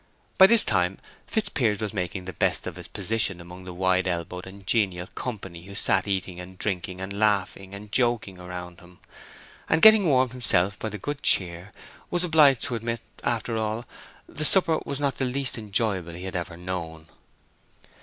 By this time Fitzpiers was making the best of his position among the wide elbowed and genial company who sat eating and drinking and laughing and joking around him; and getting warmed himself by the good cheer, was obliged to admit that, after all, the supper was not the least enjoyable he had ever known.